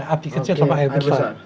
abdi kecil sama air besar